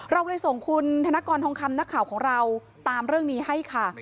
เราเลยส่งคุณธนกรทองคำนักข่าวของเราตามเรื่องนี้ให้ค่ะ